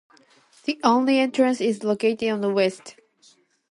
The only entrance is located on the west.